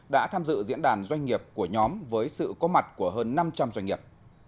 đã tham dự diễn đàn doanh nghiệp của nhóm với sự có mặt của hơn năm trăm linh doanh nghiệp